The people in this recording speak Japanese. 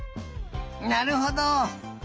なるほど。